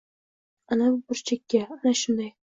Anavi burchakka. Ana, shunday!